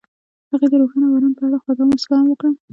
هغې د روښانه باران په اړه خوږه موسکا هم وکړه.